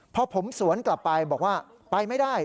พอผมสวนกลับไปบอกว่าไปไม่ได้